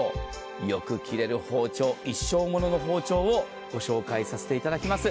よく切れる包丁一生物の包丁をご紹介させていただきます。